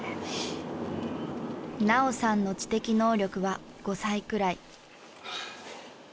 菜桜さんの知的能力は５歳くらい。